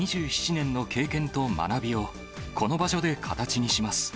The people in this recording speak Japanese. ２７年の経験と学びをこの場所で形にします。